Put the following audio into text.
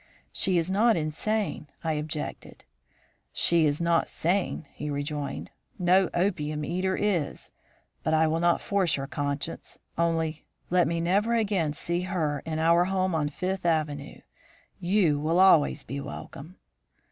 "'She is not insane,' I objected. "'She is not sane,' he rejoined. 'No opium eater is. But I will not force your conscience; only let me never again see her in our home in Fifth Avenue. You will always be welcome.'